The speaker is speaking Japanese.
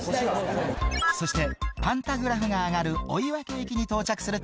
そしてパンタグラフが上がる追分駅に到着すると。